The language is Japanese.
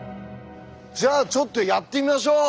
じゃあちょっとやってみましょう！